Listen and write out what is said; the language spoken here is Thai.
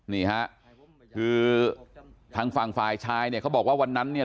นี่ฮะคือทางฝั่งฝ่ายชายเนี่ยเขาบอกว่าวันนั้นเนี่ย